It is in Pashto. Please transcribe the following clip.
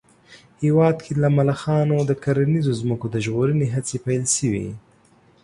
هېواد کې له ملخانو د کرنیزو ځمکو د ژغورنې هڅې پيل شوې